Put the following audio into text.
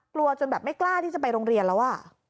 จนแบบไม่กล้าที่จะไปโรงเรียนแล้ว